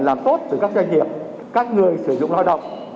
làm tốt từ các doanh nghiệp các người sử dụng lao động